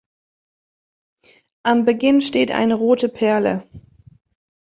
Am Beginn steht eine rote Perle.